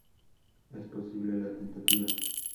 Es posible la tentativa.